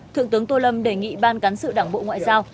thượng tướng tô lâm đề nghị ban cán sự đảng bộ ngoại giao